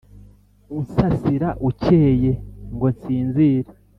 Unsasira ukeye ngo nsinzire.